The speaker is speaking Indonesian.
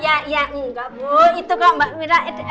ya iya enggak bu itu kalau mbak mirna